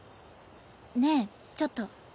ねえちょっと。